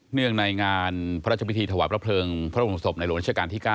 เนื่องในงานพระราชมิธีธวะพระเพลิงพระบุษฎพในโหลดเชียรการที่๙